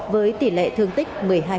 với tỉ lệ thương tích một mươi hai